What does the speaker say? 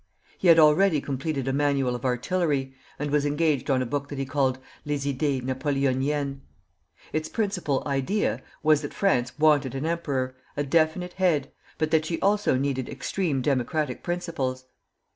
He had already completed a Manual of Artillery, and was engaged on a book that he called "Les Idées napoléoniennes." Its principal "idea" was that France wanted an emperor, a definite head, but that she also needed extreme democratic principles.